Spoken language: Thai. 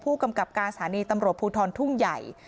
ผู้กำกับการสถานีตำรวจภูทรทุ่งใหญ่